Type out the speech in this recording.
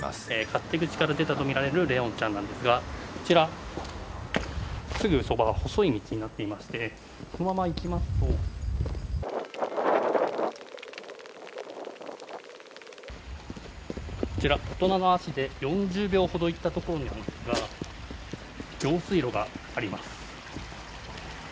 勝手口から出たとみられる怜音ちゃんなんですがこちら、すぐそばは細い道になっていまして、そのまま行きますとこちら、大人の足で４０秒ほど行ったところですが、用水路があります。